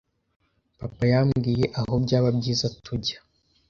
Papa yambwiye aho byaba byiza tujya.